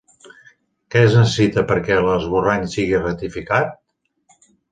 Què es necessita perquè l'esborrany sigui ratificat?